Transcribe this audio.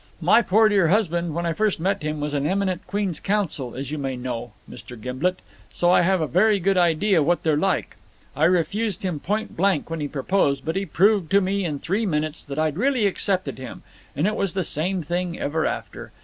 My poor dear husband, when I first met him, was an eminent Q.C., as you may know, Mr. Gimblet, so I have a very good idea what they're like. I refused him point blank when he proposed, but he proved to me in three minutes that I'd really accepted him; and it was the same thing ever after.